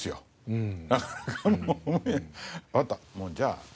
うん。